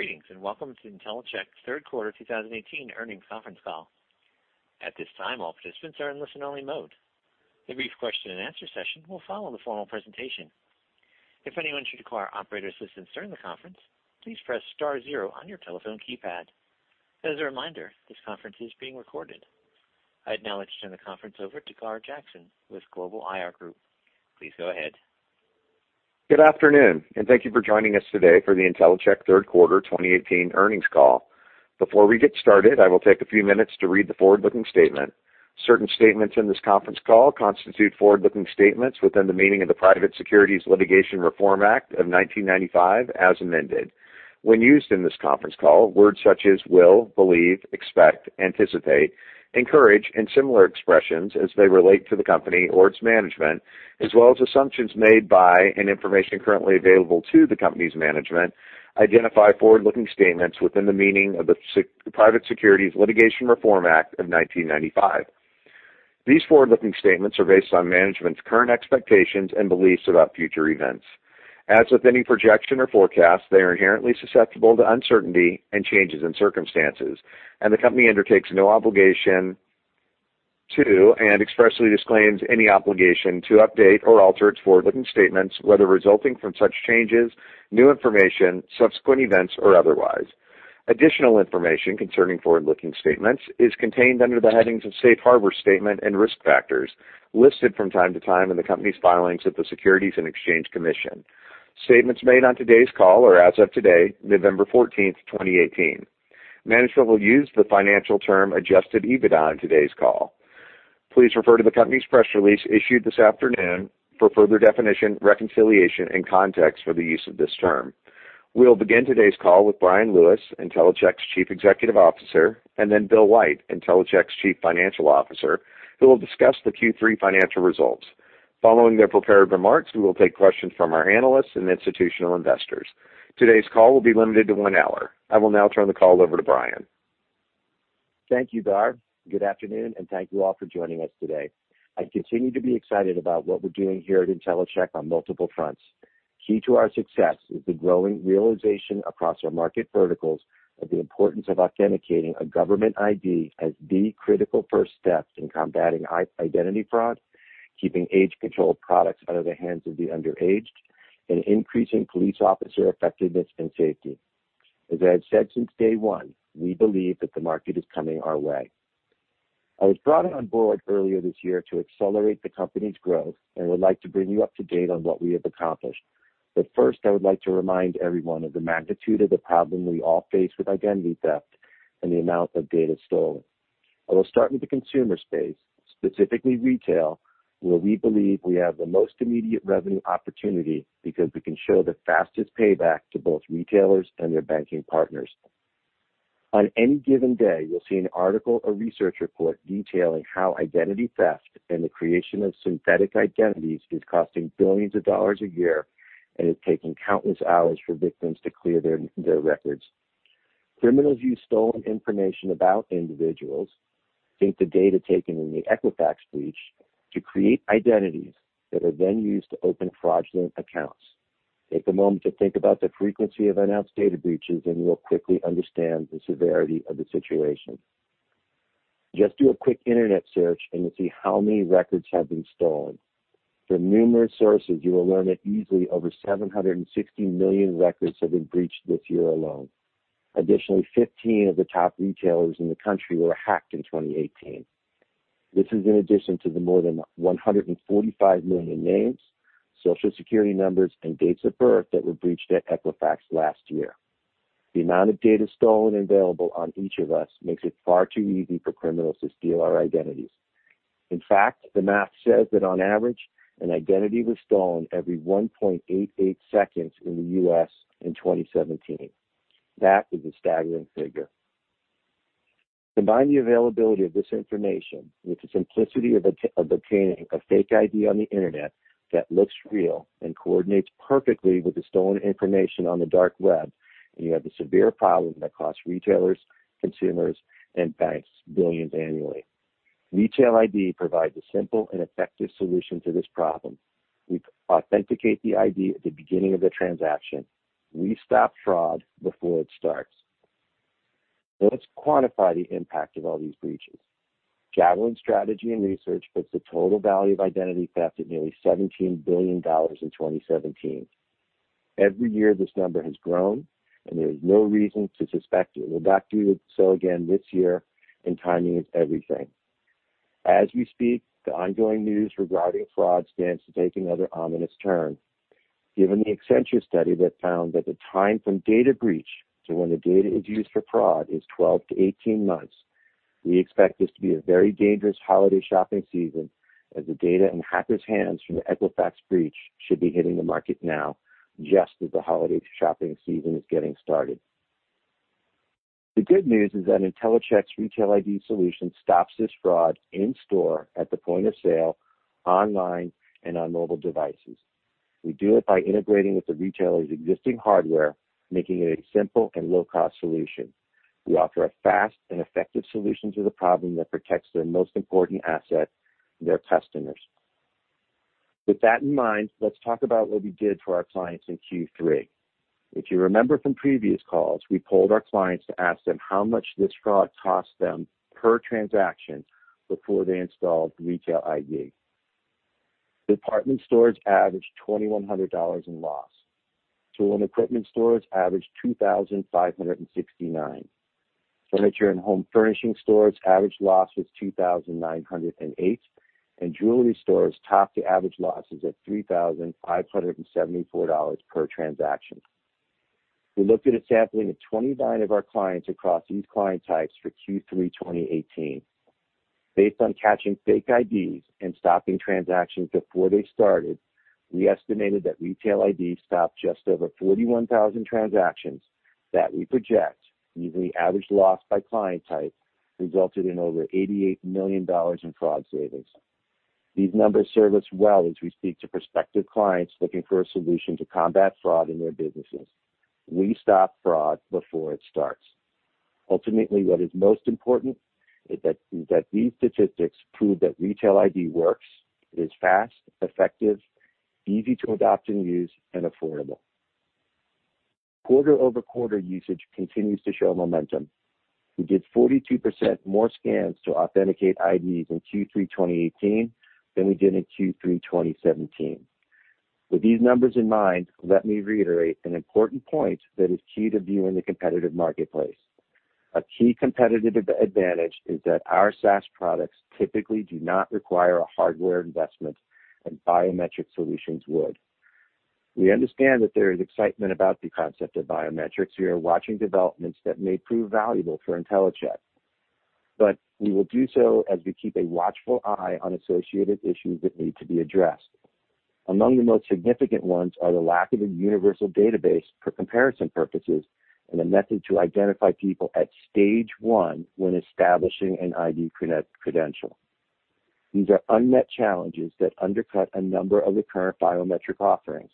Greetings and welcome to Intellicheck's third quarter 2018 earnings conference call. At this time, all participants are in listen-only mode. A brief question-and-answer session will follow the formal presentation. If anyone should require operator assistance during the conference, please press star zero on your telephone keypad. As a reminder, this conference is being recorded. I'd now like to turn the conference over to Gar Jackson with Global IR Group. Please go ahead. Good afternoon, and thank you for joining us today for the Intellicheck third quarter 2018 earnings call. Before we get started, I will take a few minutes to read the forward-looking statement. Certain statements in this conference call constitute forward-looking statements within the meaning of the Private Securities Litigation Reform Act of 1995, as amended. When used in this conference call, words such as will, believe, expect, anticipate, encourage, and similar expressions as they relate to the company or its management, as well as assumptions made by and information currently available to the company's management, identify forward-looking statements within the meaning of the Private Securities Litigation Reform Act of 1995. These forward-looking statements are based on management's current expectations and beliefs about future events. As with any projection or forecast, they are inherently susceptible to uncertainty and changes in circumstances, and the company undertakes no obligation to and expressly disclaims any obligation to update or alter its forward-looking statements, whether resulting from such changes, new information, subsequent events, or otherwise. Additional information concerning forward-looking statements is contained under the headings of safe harbor statement and risk factors, listed from time to time in the company's filings at the Securities and Exchange Commission. Statements made on today's call are as of today, November 14th, 2018. Management will use the financial term adjusted EBITDA in today's call. Please refer to the company's press release issued this afternoon for further definition, reconciliation, and context for the use of this term. We'll begin today's call with Bryan Lewis, Intellicheck's Chief Executive Officer, and then Bill White, Intellicheck's Chief Financial Officer, who will discuss the Q3 financial results. Following their prepared remarks, we will take questions from our analysts and institutional investors. Today's call will be limited to one hour. I will now turn the call over to Bryan. Thank you, Gar. Good afternoon, and thank you all for joining us today. I continue to be excited about what we're doing here at Intellicheck on multiple fronts. Key to our success is the growing realization across our market verticals of the importance of authenticating a government ID as the critical first step in combating identity fraud, keeping age-controlled products out of the hands of the underage, and increasing police officer effectiveness and safety. As I have said since day one, we believe that the market is coming our way. I was brought on board earlier this year to accelerate the company's growth and would like to bring you up to date on what we have accomplished. But first, I would like to remind everyone of the magnitude of the problem we all face with identity theft and the amount of data stolen. I will start with the consumer space, specifically retail, where we believe we have the most immediate revenue opportunity because we can show the fastest payback to both retailers and their banking partners. On any given day, you'll see an article or research report detailing how identity theft and the creation of synthetic identities is costing billions of dollars a year and is taking countless hours for victims to clear their records. Criminals use stolen information about individuals, think the data taken in the Equifax breach, to create identities that are then used to open fraudulent accounts. Take a moment to think about the frequency of unhealthy data breaches, and you'll quickly understand the severity of the situation. Just do a quick internet search and you'll see how many records have been stolen. From numerous sources, you will learn that easily over 760 million records have been breached this year alone. Additionally, 15 of the top retailers in the country were hacked in 2018. This is in addition to the more than 145 million names, Social Security numbers, and dates of birth that were breached at Equifax last year. The amount of data stolen and available on each of us makes it far too easy for criminals to steal our identities. In fact, the math says that on average, an identity was stolen every 1.88 seconds in the U.S. in 2017. That is a staggering figure. Combine the availability of this information with the simplicity of obtaining a fake ID on the internet that looks real and coordinates perfectly with the stolen information on the dark web, and you have a severe problem that costs retailers, consumers, and banks billions annually. Retail ID provides a simple and effective solution to this problem. We authenticate the ID at the beginning of the transaction. We stop fraud before it starts. Let's quantify the impact of all these breaches. Javelin Strategy & Research puts the total value of identity theft at nearly $17 billion in 2017. Every year, this number has grown, and there is no reason to suspect it will not do so again this year, and timing is everything. As we speak, the ongoing news regarding fraud stands to take another ominous turn. Given the Accenture study that found that the time from data breach to when the data is used for fraud is 12-18 months, we expect this to be a very dangerous holiday shopping season as the data in hackers' hands from the Equifax breach should be hitting the market now, just as the holiday shopping season is getting started. The good news is that Intellicheck's Retail ID solution stops this fraud in-store, at the point of sale, online, and on mobile devices. We do it by integrating with the retailer's existing hardware, making it a simple and low-cost solution. We offer a fast and effective solution to the problem that protects their most important asset, their customers. With that in mind, let's talk about what we did for our clients in Q3. If you remember from previous calls, we polled our clients to ask them how much this fraud cost them per transaction before they installed Retail ID. Department stores averaged $2,100 in loss. Tool and equipment stores averaged $2,569. Furniture and home furnishing stores averaged losses $2,908, and jewelry stores topped the average losses at $3,574 per transaction. We looked at a sampling of 29 of our clients across these client types for Q3 2018. Based on catching fake IDs and stopping transactions before they started, we estimated that Retail ID stopped just over 41,000 transactions that we project, using the average loss by client type, resulted in over $88 million in fraud savings. These numbers serve us well as we speak to prospective clients looking for a solution to combat fraud in their businesses. We stop fraud before it starts. Ultimately, what is most important is that these statistics prove that Retail ID works, is fast, effective, easy to adopt and use, and affordable. Quarter-over-quarter usage continues to show momentum. We did 42% more scans to authenticate IDs in Q3 2018 than we did in Q3 2017. With these numbers in mind, let me reiterate an important point that is key to viewing the competitive marketplace. A key competitive advantage is that our SaaS products typically do not require a hardware investment, and biometric solutions would. We understand that there is excitement about the concept of biometrics. We are watching developments that may prove valuable for Intellicheck, but we will do so as we keep a watchful eye on associated issues that need to be addressed. Among the most significant ones are the lack of a universal database for comparison purposes and a method to identify people at stage one when establishing an ID credential. These are unmet challenges that undercut a number of the current biometric offerings.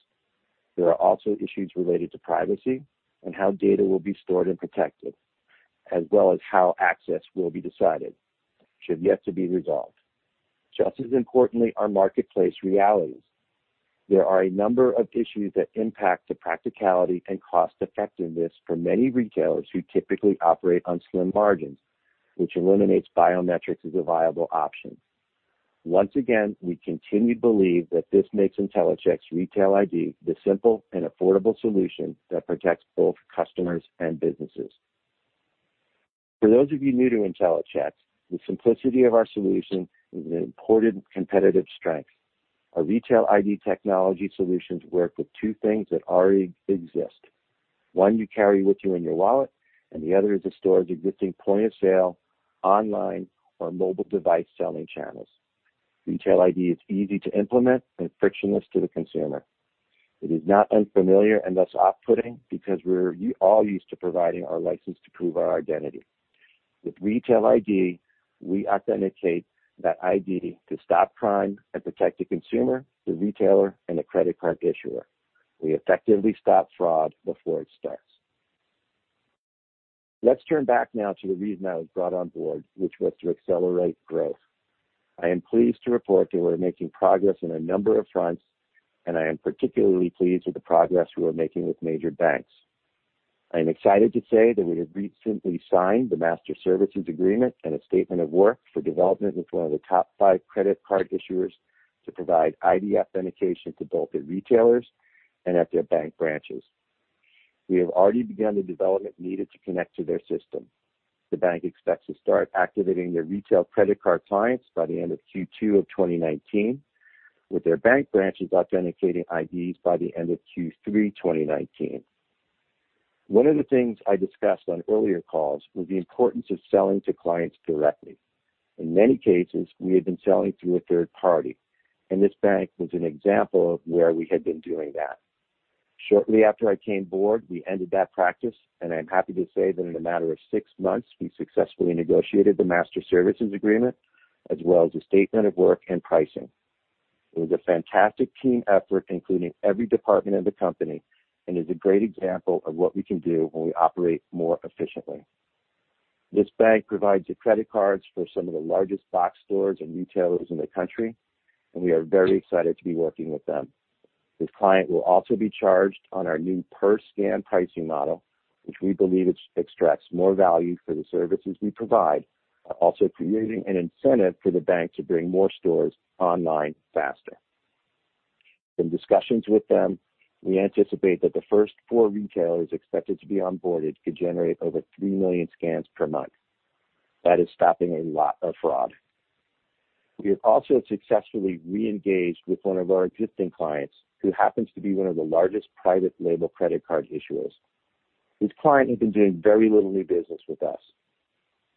There are also issues related to privacy and how data will be stored and protected, as well as how access will be decided, which have yet to be resolved. Just as importantly, our marketplace realities. There are a number of issues that impact the practicality and cost-effectiveness for many retailers who typically operate on slim margins, which eliminates biometrics as a viable option. Once again, we continue to believe that this makes Intellicheck's Retail ID the simple and affordable solution that protects both customers and businesses. For those of you new to Intellicheck, the simplicity of our solution is an important competitive strength. Our Retail ID technology solutions work with two things that already exist. One you carry with you in your wallet, and the other is a store's existing point of sale, online, or mobile device selling channels. Retail ID is easy to implement and frictionless to the consumer. It is not unfamiliar and thus off-putting because we're all used to providing our license to prove our identity. With Retail ID, we authenticate that ID to stop crime and protect the consumer, the retailer, and the credit card issuer. We effectively stop fraud before it starts. Let's turn back now to the reason I was brought on board, which was to accelerate growth. I am pleased to report that we're making progress on a number of fronts, and I am particularly pleased with the progress we're making with major banks. I am excited to say that we have recently signed the Master Services Agreement and a Statement of Work for development with one of the top five credit card issuers to provide ID authentication to both the retailers and at their bank branches. We have already begun the development needed to connect to their system. The bank expects to start activating their retail credit card clients by the end of Q2 of 2019, with their bank branches authenticating IDs by the end of Q3 2019. One of the things I discussed on earlier calls was the importance of selling to clients directly. In many cases, we had been selling through a third party, and this bank was an example of where we had been doing that. Shortly after I came on board, we ended that practice, and I'm happy to say that in a matter of six months, we successfully negotiated the Master Services Agreement as well as a Statement of Work and pricing. It was a fantastic team effort, including every department of the company, and is a great example of what we can do when we operate more efficiently. This bank provides the credit cards for some of the largest box stores and retailers in the country, and we are very excited to be working with them. This client will also be charged on our new per-scan pricing model, which we believe extracts more value for the services we provide, also creating an incentive for the bank to bring more stores online faster. In discussions with them, we anticipate that the first four retailers expected to be on board could generate over three million scans per month. That is stopping a lot of fraud. We have also successfully re-engaged with one of our existing clients, who happens to be one of the largest private label credit card issuers. This client has been doing very little new business with us.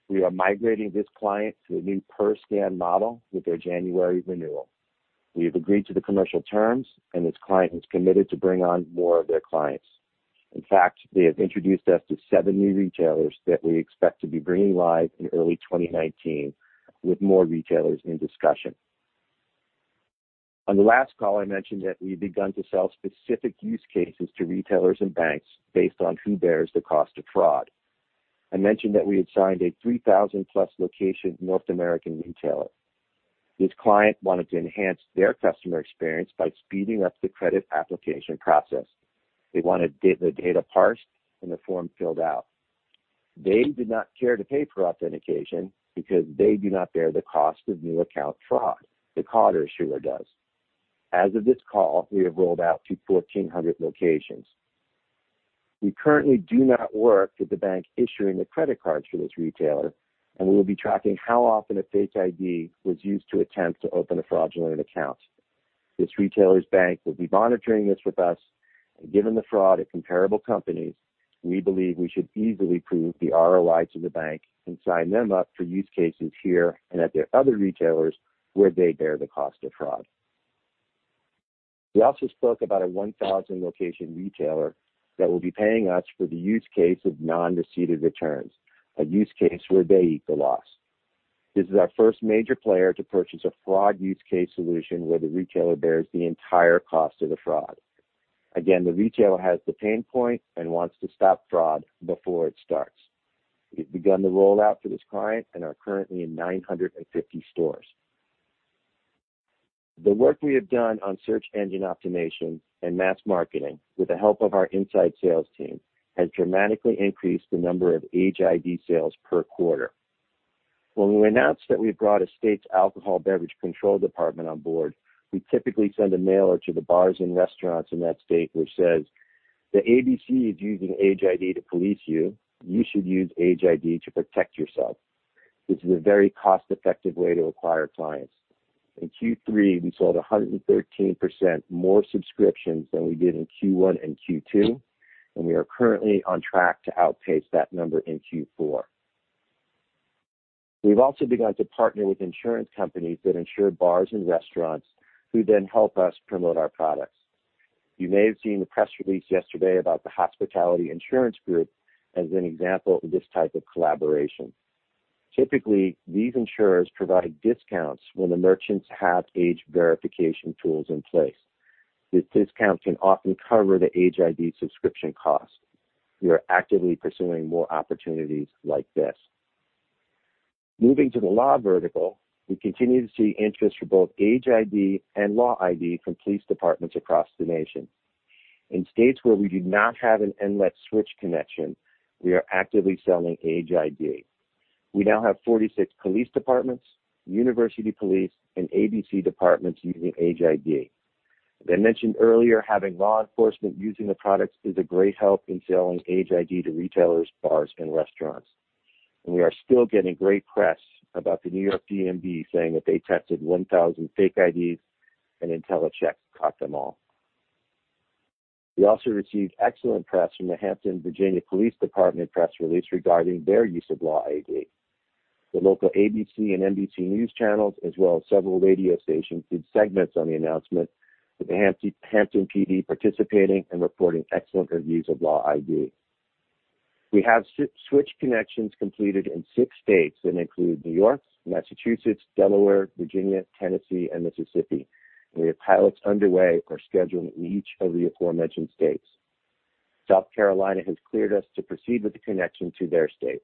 We are migrating this client to a new per-scan model with their January renewal. We have agreed to the commercial terms, and this client is committed to bring on more of their clients. In fact, they have introduced us to seven new retailers that we expect to be bringing live in early 2019, with more retailers in discussion. On the last call, I mentioned that we had begun to sell specific use cases to retailers and banks based on who bears the cost of fraud. I mentioned that we had signed a 3,000-plus location North American retailer. This client wanted to enhance their customer experience by speeding up the credit application process. They wanted the data parsed and the form filled out. They did not care to pay for authentication because they do not bear the cost of new account fraud. The card issuer does. As of this call, we have rolled out to 1,400 locations. We currently do not work with the bank issuing the credit cards for this retailer, and we will be tracking how often a fake ID was used to attempt to open a fraudulent account. This retailer's bank will be monitoring this with us, and given the fraud at comparable companies, we believe we should easily prove the ROI to the bank and sign them up for use cases here and at their other retailers where they bear the cost of fraud. We also spoke about a 1,000-location retailer that will be paying us for the use case of non-receipted returns, a use case where they eat the loss. This is our first major player to purchase a fraud use case solution where the retailer bears the entire cost of the fraud. Again, the retailer has the pain point and wants to stop fraud before it starts. We have begun the rollout for this client and are currently in 950 stores. The work we have done on search engine optimization and mass marketing with the help of our inside sales team has dramatically increased the number of Age ID sales per quarter. When we announced that we brought a state's Alcoholic Beverage Control department on board, we typically send a mailer to the bars and restaurants in that state which says, "The ABC is using Age ID to police you. You should use Age ID to protect yourself." This is a very cost-effective way to acquire clients. In Q3, we sold 113% more subscriptions than we did in Q1 and Q2, and we are currently on track to outpace that number in Q4. We've also begun to partner with insurance companies that insure bars and restaurants who then help us promote our products. You may have seen the press release yesterday about the Hospitality Insurance Group as an example of this type of collaboration. Typically, these insurers provide discounts when the merchants have age verification tools in place. This discount can often cover the Age ID subscription cost. We are actively pursuing more opportunities like this. Moving to the law vertical, we continue to see interest for both Age ID and Law ID from police departments across the nation. In states where we do not have a Nlets switch connection, we are actively selling Age ID. We now have 46 police departments, university police, and ABC departments using Age ID. As I mentioned earlier, having law enforcement using the products is a great help in selling Age ID to retailers, bars, and restaurants. We are still getting great press about the New York DMV saying that they tested 1,000 fake IDs and Intellicheck caught them all. We also received excellent press from the Hampton Virginia Police Department press release regarding their use of Law ID. The local ABC and NBC News channels, as well as several radio stations, did segments on the announcement with the Hampton PD participating and reporting excellent reviews of Law ID. We have switch connections completed in six states that include New York, Massachusetts, Delaware, Virginia, Tennessee, and Mississippi. We have pilots underway or scheduled in each of the aforementioned states. South Carolina has cleared us to proceed with the connection to their state.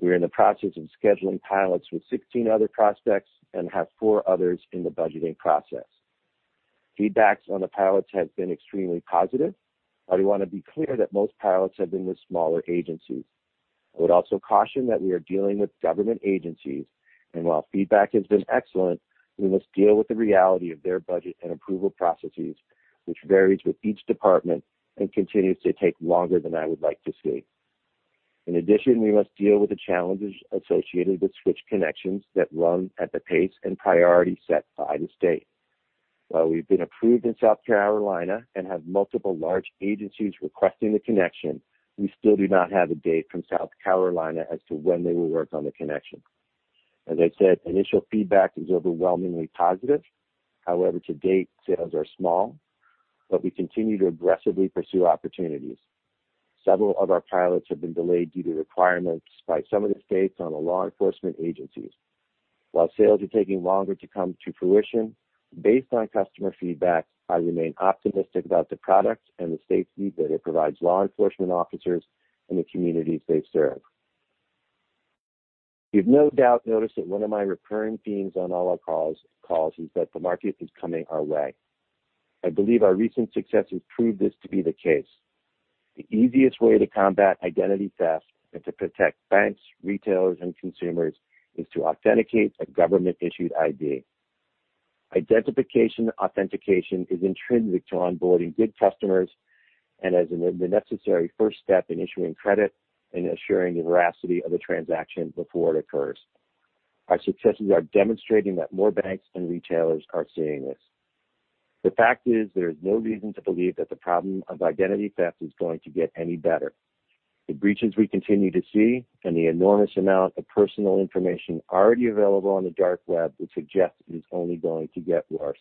We are in the process of scheduling pilots with 16 other prospects and have four others in the budgeting process. Feedback on the pilots has been extremely positive, but I want to be clear that most pilots have been with smaller agencies. I would also caution that we are dealing with government agencies, and while feedback has been excellent, we must deal with the reality of their budget and approval processes, which varies with each department and continues to take longer than I would like to see. In addition, we must deal with the challenges associated with switch connections that run at the pace and priority set by the state. While we've been approved in South Carolina and have multiple large agencies requesting the connection, we still do not have a date from South Carolina as to when they will work on the connection. As I said, initial feedback is overwhelmingly positive. However, to date, sales are small, but we continue to aggressively pursue opportunities. Several of our pilots have been delayed due to requirements by some of the states on the law enforcement agencies. While sales are taking longer to come to fruition, based on customer feedback, I remain optimistic about the product and the state's need that it provides law enforcement officers in the communities they serve. You've no doubt noticed that one of my recurring themes on all our calls is that the market is coming our way. I believe our recent successes prove this to be the case. The easiest way to combat identity theft and to protect banks, retailers, and consumers is to authenticate a government-issued ID. Identification authentication is intrinsic to onboarding good customers and is the necessary first step in issuing credit and assuring the veracity of the transaction before it occurs. Our successes are demonstrating that more banks and retailers are seeing this. The fact is there is no reason to believe that the problem of identity theft is going to get any better. The breaches we continue to see and the enormous amount of personal information already available on the dark web would suggest it is only going to get worse.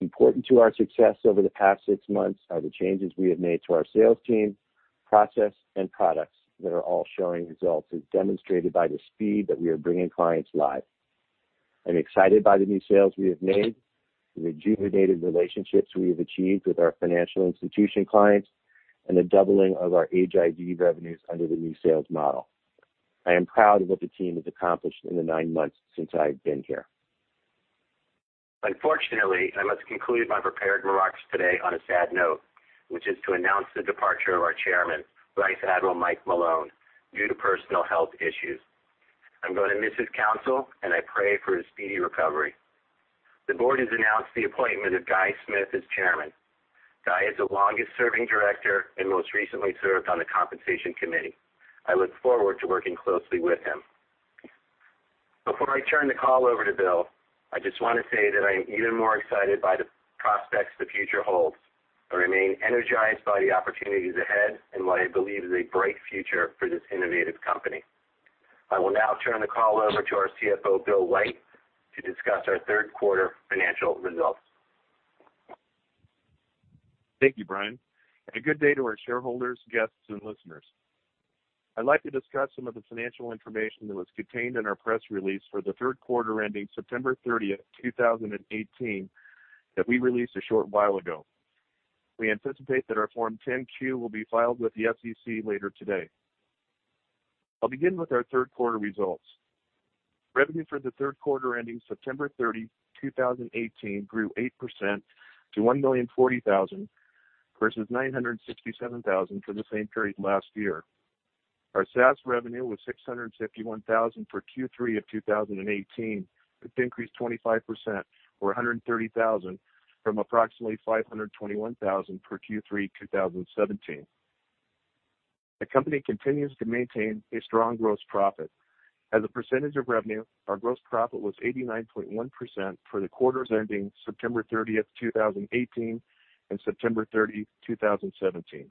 Important to our success over the past six months are the changes we have made to our sales team, process, and products that are all showing results, as demonstrated by the speed that we are bringing clients live. I'm excited by the new sales we have made, the rejuvenated relationships we have achieved with our financial institution clients, and the doubling of our Age ID revenues under the new sales model. I am proud of what the team has accomplished in the nine months since I've been here. Unfortunately, I must conclude my prepared remarks today on a sad note, which is to announce the departure of our chairman, Vice Admiral Mike Malone, due to personal health issues. I'm going to miss his counsel, and I pray for his speedy recovery. The board has announced the appointment of Guy Smith as chairman. Guy is the longest-serving director and most recently served on the Compensation Committee. I look forward to working closely with him. Before I turn the call over to Bill, I just want to say that I am even more excited by the prospects the future holds. I remain energized by the opportunities ahead and what I believe is a bright future for this innovative company. I will now turn the call over to our CFO, Bill White, to discuss our third quarter financial results. Thank you, Bryan. A good day to our shareholders, guests, and listeners. I'd like to discuss some of the financial information that was contained in our press release for the third quarter ending September 30th, 2018, that we released a short while ago. We anticipate that our Form 10-Q will be filed with the SEC later today. I'll begin with our third quarter results. Revenue for the third quarter ending September 30, 2018, grew 8% to $1,040,000 versus $967,000 for the same period last year. Our SaaS revenue was $651,000 for Q3 of 2018, which increased 25% or $130,000 from approximately $521,000 for Q3 2017. The company continues to maintain a strong gross profit. As a percentage of revenue, our gross profit was 89.1% for the quarters ending September 30th, 2018, and September 30, 2017.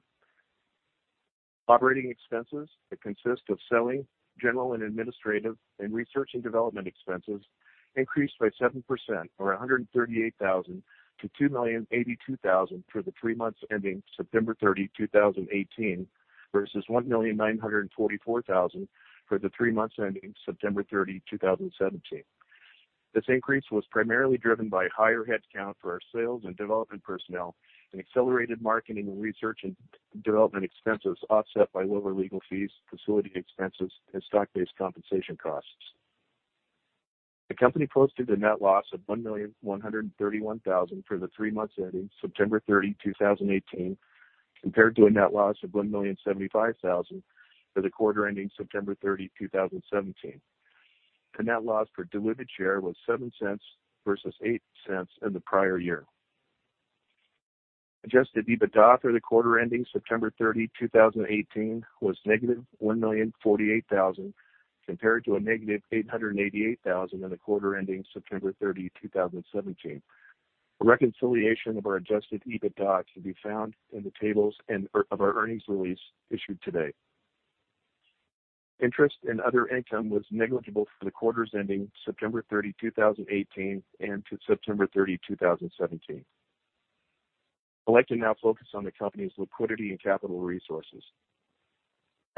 Operating expenses that consist of selling, general and administrative, and research and development expenses increased by 7% or $138,000 to $2,082,000 for the three months ending September 30, 2018, versus $1,944,000 for the three months ending September 30, 2017. This increase was primarily driven by a higher headcount for our sales and development personnel and accelerated marketing and research and development expenses offset by lower legal fees, facility expenses, and stock-based compensation costs. The company posted a net loss of $1,131,000 for the three months ending September 30, 2018, compared to a net loss of $1,075,000 for the quarter ending September 30, 2017. The net loss per diluted share was $0.07 versus $0.08 in the prior year. Adjusted EBITDA for the quarter ending September 30, 2018, was negative $1,048,000 compared to a negative $888,000 in the quarter ending September 30, 2017. A reconciliation of our adjusted EBITDA can be found in the tables of our earnings release issued today. Interest and other income was negligible for the quarters ending September 30, 2018, and to September 30, 2017. I'd like to now focus on the company's liquidity and capital resources.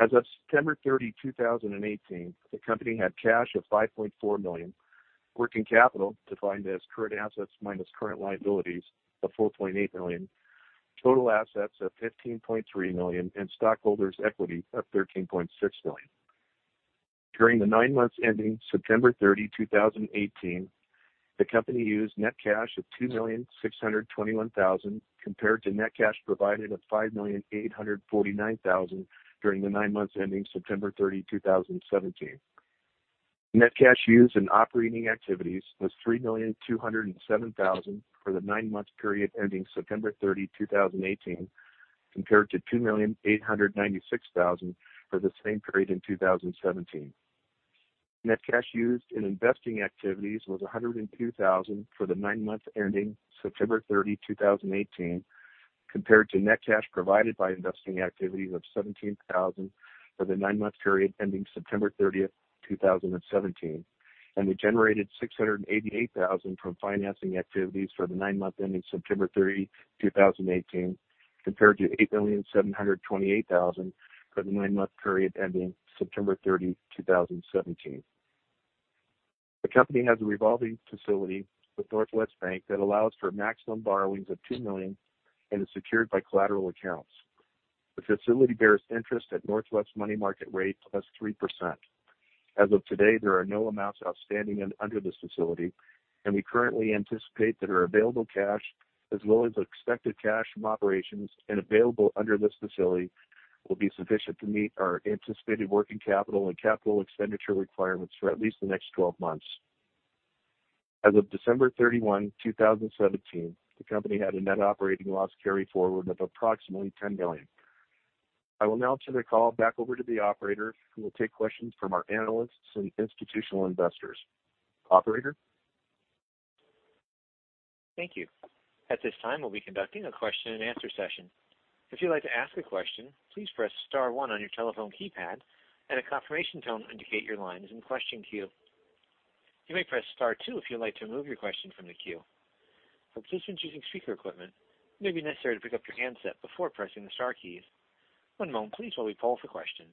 As of September 30, 2018, the company had cash of $5.4 million, working capital defined as current assets minus current liabilities of $4.8 million, total assets of $15.3 million, and stockholders' equity of $13.6 million. During the nine months ending September 30, 2018, the company used net cash of $2,621,000 compared to net cash provided of $5,849,000 during the nine months ending September 30, 2017. Net cash used in operating activities was $3,207,000 for the nine-month period ending September 30, 2018, compared to $2,896,000 for the same period in 2017. Net cash used in investing activities was $102,000 for the nine-month ending September 30, 2018, compared to net cash provided by investing activities of $17,000 for the nine-month period ending September 30, 2017, and we generated $688,000 from financing activities for the nine-month ending September 30, 2018, compared to $8,728,000 for the nine-month period ending September 30, 2017. The company has a revolving facility with Northwest Bank that allows for maximum borrowings of $2 million and is secured by collateral accounts. The facility bears interest at Northwest money market rate plus 3%. As of today, there are no amounts outstanding under this facility, and we currently anticipate that our available cash, as well as expected cash from operations and available under this facility, will be sufficient to meet our anticipated working capital and capital expenditure requirements for at least the next 12 months. As of December 31, 2017, the company had a net operating loss carry forward of approximately $10 million. I will now turn the call back over to the operator who will take questions from our analysts and institutional investors. Operator? Thank you. At this time, we'll be conducting a question-and-answer session. If you'd like to ask a question, please press star one on your telephone keypad, and a confirmation tone will indicate your line is in question queue. You may press star two if you'd like to remove your question from the queue. For participants using speaker equipment, it may be necessary to pick up your handset before pressing the star keys. One moment, please, while we poll for questions.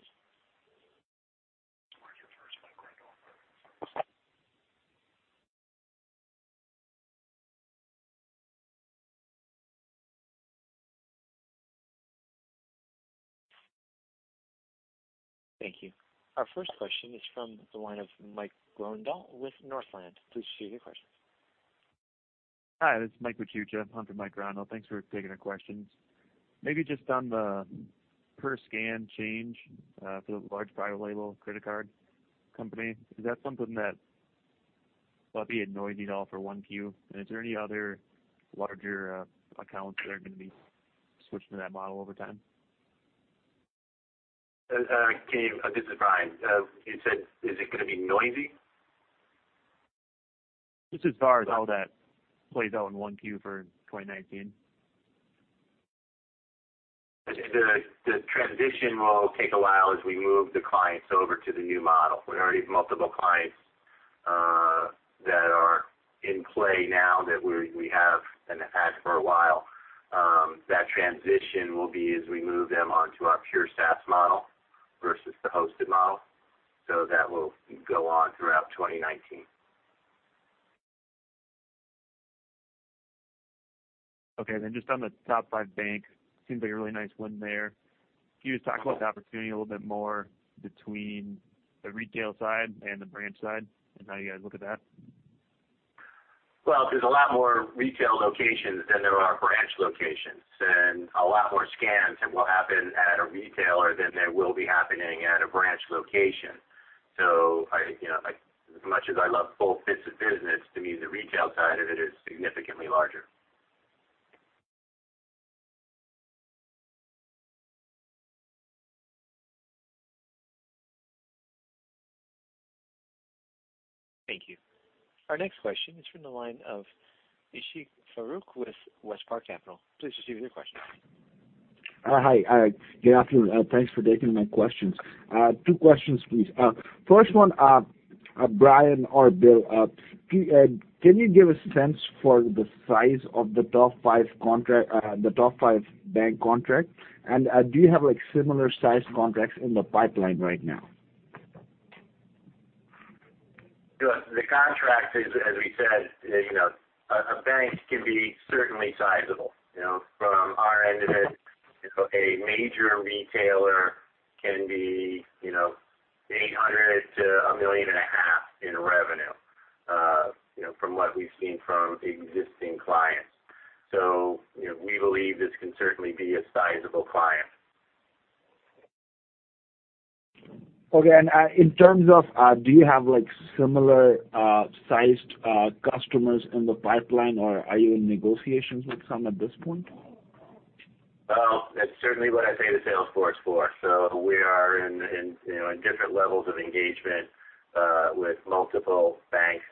Thank you. Our first question is from the line of Mike Grondahl with Northland. Please proceed with your questions. Hi, this is Jeff Houston for Mike Grondahl. Thanks for taking our questions. Maybe just on the per scan change for the large private label credit card company, is that something that will be a noisy call for Q1? And is there any other larger accounts that are going to be switched to that model over time? Hey, this is Bryan. You said, is it going to be noisy? Just as far as how that plays out in Q1 for 2019. The transition will take a while as we move the clients over to the new model. We already have multiple clients that are in play now that we have and had for a while. That transition will be as we move them onto our pure SaaS model versus the hosted model. So that will go on throughout 2019. Okay. And then just on the top five bank, seems like a really nice win there. Can you just talk about the opportunity a little bit more between the retail side and the branch side and how you guys look at that? Well, there's a lot more retail locations than there are branch locations, and a lot more scans will happen at a retailer than there will be happening at a branch location. So as much as I love full suite of business, to me, the retail side of it is significantly larger. Thank you. Our next question is from the line of Ishfaque Farooq with WestPark Capital. Please proceed with your questions. Hi. Good afternoon. Thanks for taking my questions. Two questions, please. First one, Brian or Bill, can you give a sense for the size of the top five bank contracts? And do you have similar sized contracts in the pipeline right now? The contract is, as we said, a bank can be certainly sizable. From our end of it, a major retailer can be $800,000-$1.5 million in revenue from what we've seen from existing clients. So we believe this can certainly be a sizable client. Okay. And in terms of, do you have similar sized customers in the pipeline, or are you in negotiations with some at this point? Well, that's certainly what I pay the sales force for. So we are in different levels of engagement with multiple banks.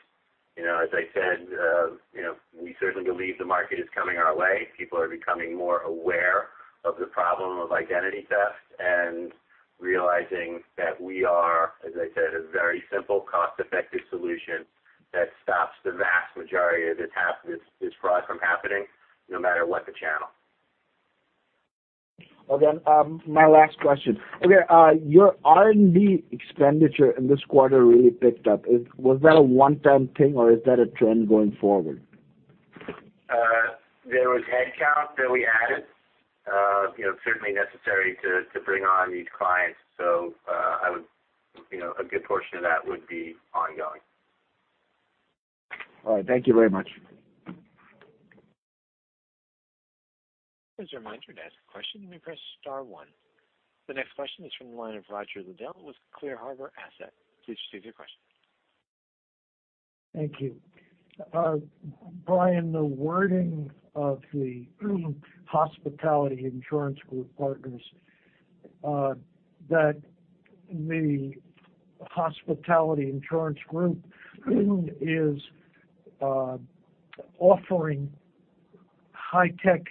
As I said, we certainly believe the market is coming our way. People are becoming more aware of the problem of identity theft and realizing that we are, as I said, a very simple, cost-effective solution that stops the vast majority of this fraud from happening no matter what the channel. Okay. My last question. Okay. Your R&D expenditure in this quarter really picked up. Was that a one-time thing, or is that a trend going forward? There was headcount that we added. Certainly necessary to bring on these clients. So I would say a good portion of that would be ongoing. All right. Thank you very much. Thank you very much. To ask a question, you may press star one. The next question is from the line of Roger Liddell with Clear Harbor Asset Management. Please proceed with your question. Thank you. Brian, the wording of the Hospitality Insurance Group partnership, that the Hospitality Insurance Group is offering high-tech,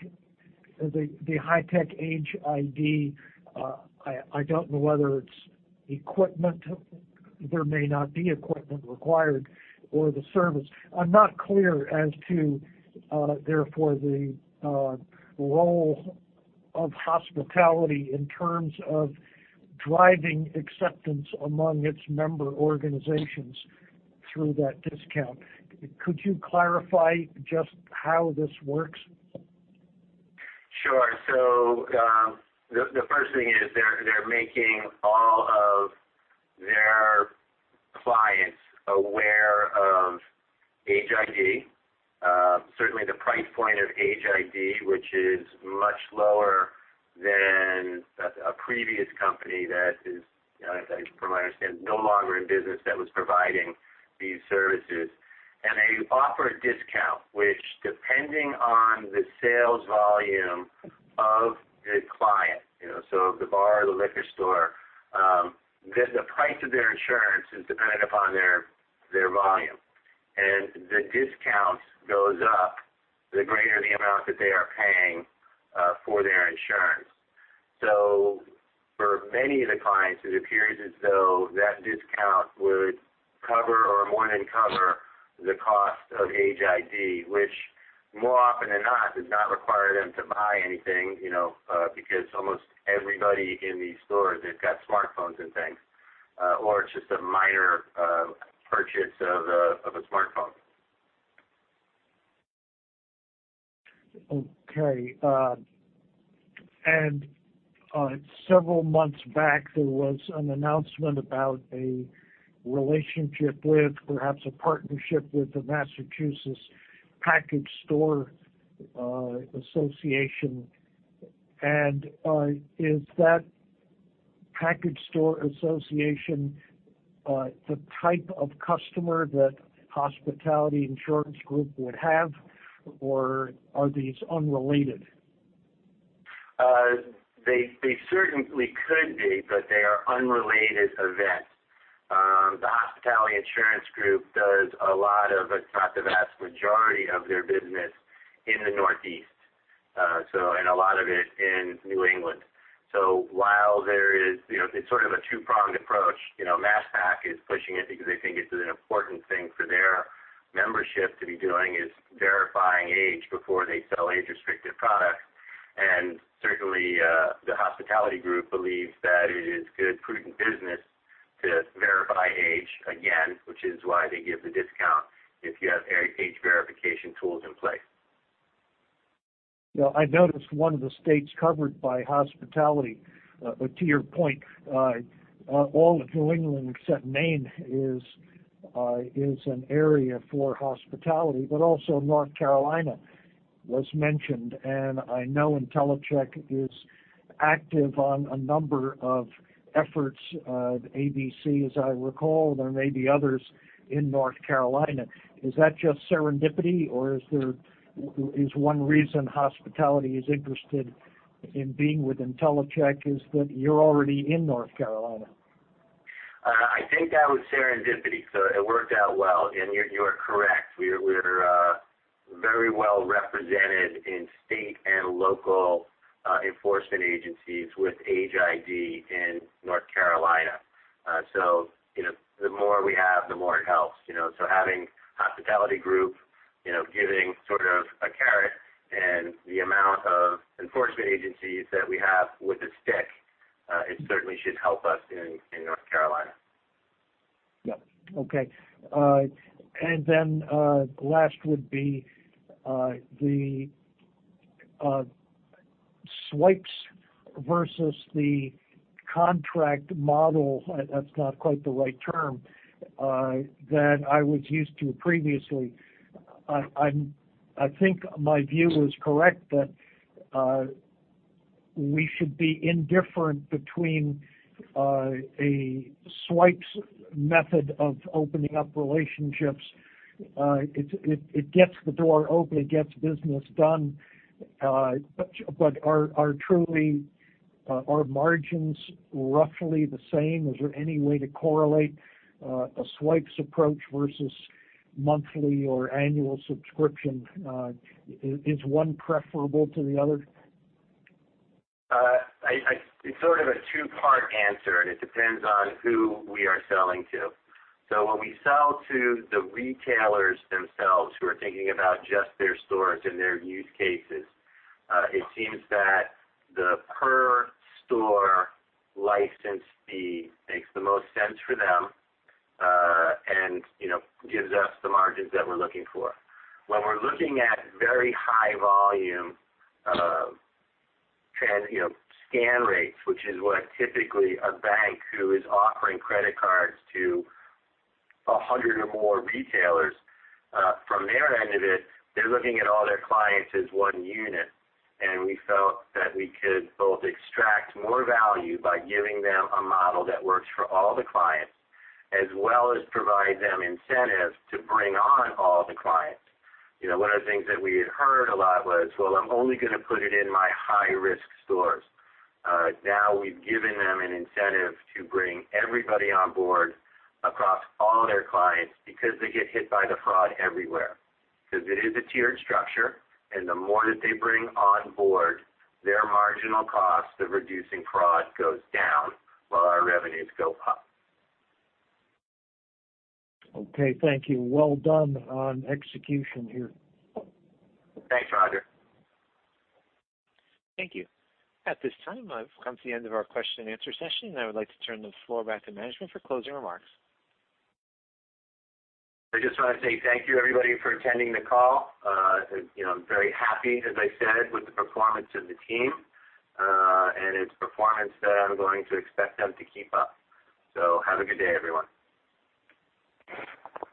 the high-tech Age ID. I don't know whether it's equipment. There may not be equipment required or the service. I'm not clear as to, therefore, the role of Hospitality in terms of driving acceptance among its member organizations through that discount. Could you clarify just how this works? Sure. So the first thing is they're making all of their clients aware of Age ID. Certainly, the price point of Age ID, which is much lower than a previous company that is, from what I understand, no longer in business that was providing these services. And they offer a discount, which, depending on the sales volume of the client, so the bar or the liquor store, the price of their insurance is dependent upon their volume. And the discount goes up, the greater the amount that they are paying for their insurance. So for many of the clients, it appears as though that discount would cover, or more than cover, the cost of Age ID, which more often than not does not require them to buy anything because almost everybody in these stores has got smartphones and things, or it's just a minor purchase of a smartphone. Okay. And several months back, there was an announcement about a relationship with, perhaps a partnership with, the Massachusetts Package Store Association. And is that Package Store Association the type of customer that Hospitality Insurance Group would have, or are these unrelated? They certainly could be, but they are unrelated events. The Hospitality Insurance Group does a lot of, if not the vast majority of, their business in the Northeast, and a lot of it in New England. So while there is, it's sort of a two-pronged approach. MASSPACK is pushing it because they think it's an important thing for their membership to be doing: verifying age before they sell age-restricted products. Certainly, the Hospitality Group believes that it is good prudent business to verify age, which is why they give the discount if you have age verification tools in place. I noticed one of the states covered by Hospitality. To your point, all of New England, except Maine, is an area for Hospitality, but also North Carolina was mentioned. I know Intellicheck is active on a number of efforts of ABC, as I recall, and there may be others in North Carolina. Is that just serendipity, or is one reason Hospitality is interested in being with Intellicheck that you're already in North Carolina? I think that was serendipity. It worked out well. You are correct. We're very well represented in state and local enforcement agencies with Age ID in North Carolina. So the more we have, the more it helps. So having Hospitality Group giving sort of a carrot and the amount of enforcement agencies that we have with a stick, it certainly should help us in North Carolina. Yep. Okay. And then last would be the swipes versus the contract model. That's not quite the right term that I was used to previously. I think my view was correct that we should be indifferent between a swipes method of opening up relationships. It gets the door open. It gets business done. But are truly our margins roughly the same? Is there any way to correlate a swipes approach versus monthly or annual subscription? Is one preferable to the other? It's sort of a two-part answer, and it depends on who we are selling to. So when we sell to the retailers themselves who are thinking about just their stores and their use cases, it seems that the per store license fee makes the most sense for them and gives us the margins that we're looking for. When we're looking at very high-volume scan rates, which is what typically a bank who is offering credit cards to 100 or more retailers, from their end of it, they're looking at all their clients as one unit. And we felt that we could both extract more value by giving them a model that works for all the clients, as well as provide them incentives to bring on all the clients. One of the things that we had heard a lot was, "Well, I'm only going to put it in my high-risk stores." Now we've given them an incentive to bring everybody on board across all their clients because they get hit by the fraud everywhere. Because it is a tiered structure, and the more that they bring on board, their marginal cost of reducing fraud goes down while our revenues go up. Okay. Thank you. Well done on execution here. Thanks, Roger. Thank you. At this time, I've come to the end of our question-and-answer session, and I would like to turn the floor back to management for closing remarks. I just want to say thank you, everybody, for attending the call. I'm very happy, as I said, with the performance of the team, and it's performance that I'm going to expect them to keep up. So have a good day, everyone.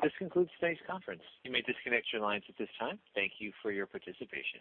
This concludes today's conference. You may disconnect your lines at this time. Thank you for your participation.